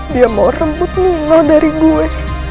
dia mau rebut lima dari gue